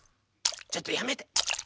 ちょっとやめてやめて！